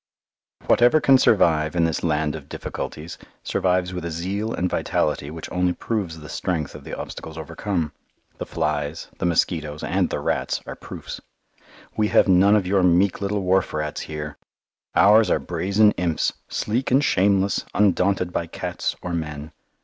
Whatever can survive in this land of difficulties survives with a zeal and vitality which only proves the strength of the obstacles overcome. The flies, the mosquitoes, and the rats are proofs. We have none of your meek little wharf rats here. Ours are brazen imps, sleek and shameless, undaunted by cats or men.